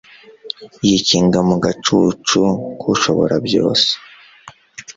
yikinga mu gacucu k'ushoborabyose